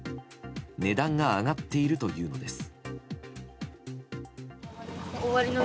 値段が上がっているというのです。